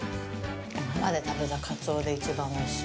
今まで食べたカツオでいちばんおいしい！